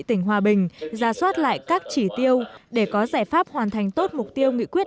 tỉnh hòa bình ra soát lại các chỉ tiêu để có giải pháp hoàn thành tốt mục tiêu nghị quyết